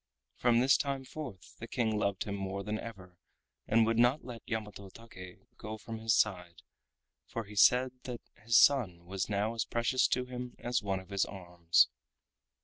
From this time forth the King loved him more than ever and would not let Yamato Take go from his side, for he said that his son was now as precious to him as one of his arms.